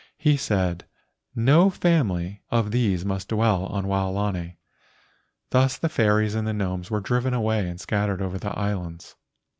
He said, "No family of these must dwell on Waolani. " Thus the fairies and the gnomes were driven away and scattered over the islands.